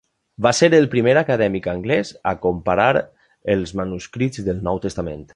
Va ser el primer acadèmic anglès a comparar els manuscrits del "Nou Testament".